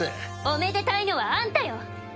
おめでたいのはあんたよ！